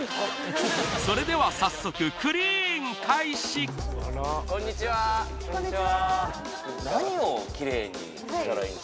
それではこんにちはこんにちは